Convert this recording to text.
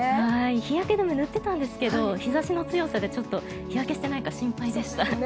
日焼け止め塗ってたんですけど日差しの強さでちょっと日焼けしていないか心配でした。